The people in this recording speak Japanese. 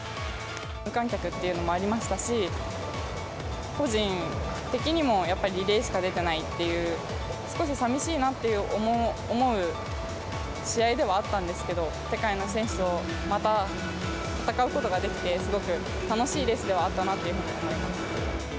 無観客というのもありましたし、個人的にもやっぱりリレーしか出てないっていう、少しさみしいなと思う試合ではあったんですけど、世界の選手とまた戦うことができて、すごく楽しいレースではあったなというふうに思います。